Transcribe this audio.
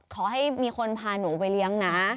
ขอให้มีคนพาหนูไปเลี้ยงนะ